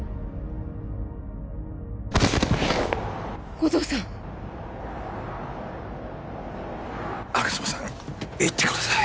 護道さん吾妻さん行ってください